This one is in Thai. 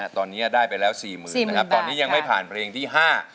ตอนนี้ได้ไปแล้ว๔๐๐๐๐บาทตอนนี้ยังไม่ผ่านเพลงที่๕